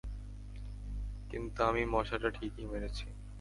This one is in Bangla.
কিন্ত আমি মশাটা ঠিকই মেরেছি।